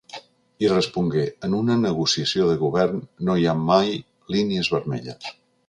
I respongué: En una negociació de govern no hi ha mai línies vermelles.